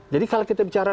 jadi kalau kita bicara